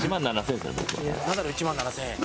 ナダル１万７０００円。